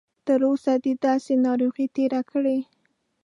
تر اوسه دې داسې ناروغي تېره کړې؟